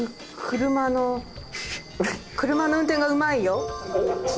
車の運転がうまいよ。